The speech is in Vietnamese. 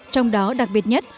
trong đó đặc biệt nhất